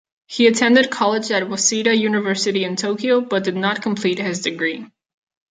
He attended college at Waseda University in Tokyo but did not complete his degree.